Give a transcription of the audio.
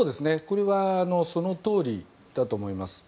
これはそのとおりだと思います。